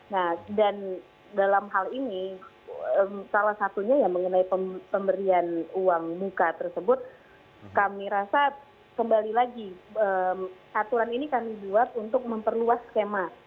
nah dan dalam hal ini salah satunya ya mengenai pemberian uang muka tersebut kami rasa kembali lagi aturan ini kami buat untuk memperluas skema